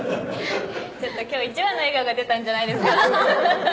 今日一番の笑顔が出たんじゃないですか。